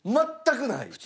全くない。